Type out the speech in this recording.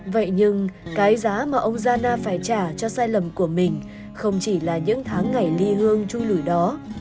vậy nhưng cái giá mà ông zhana phải trả cho sai lầm của mình không chỉ là những tháng ngày ly hương chui lủi đó